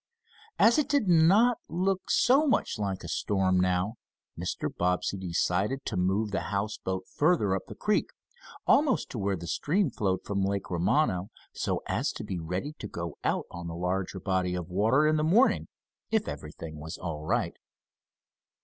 As it did not look so much like a storm now, Mr. Bobbsey decided to move the houseboat farther up the creek, almost to where the stream flowed from Lake Romano, so as to be ready to go out on the larger body of water in the morning, if everything was all right.